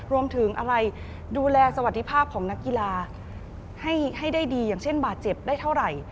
รวมถึงอะไรดูแลสวัสดิภาพของนักกีฬาให้ได้ดีอย่างเช่นบาดเจ็บได้เท่าไหร่